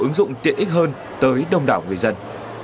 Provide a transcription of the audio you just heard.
ứng dụng tiện ích hơn tới đông đảo người dân